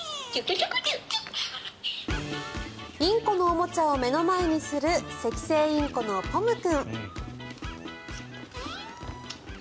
インコのおもちゃを目の前にするセキセイインコのポム君。